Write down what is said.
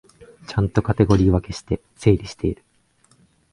ちゃんとカテゴリー分けして整理してる